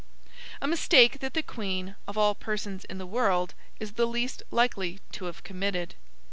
a mistake that the Queen, of all persons in the world, is the least likely to have committed.